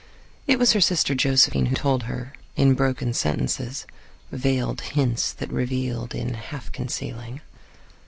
It was her sister Josephine who told her, in broken sentences; veiled hints that revealed in half concealing.